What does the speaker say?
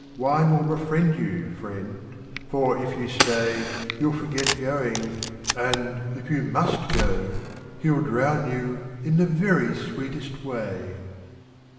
Wine will befriend you, friend : for, if you stay. You'll forget going; and, if you must go. He '11 drown you in the very sweetest way.